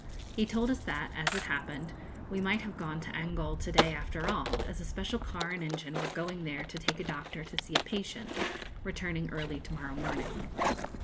He told us that, as it happened, we might have gone to Angol to day after all, as a special car and engine were going there to take a doctor to see a patient, returning early to morrow morning.